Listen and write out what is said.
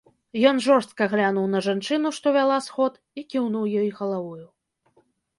Ён жорстка глянуў на жанчыну, што вяла сход, і кіўнуў ёй галавою.